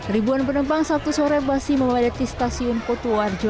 ribuan penumpang sabtu sore basi memadati stasiun kutuwarjo